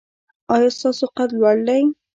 ایا ستاسو قد لوړ دی؟